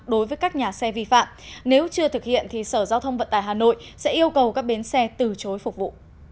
đối với các nhà xe vi phạm nếu chưa thực hiện thì sở giao thông vận tải hà nội sẽ yêu cầu các bến xe từ chối phục vụ